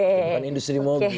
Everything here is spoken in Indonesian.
bukan industri mobil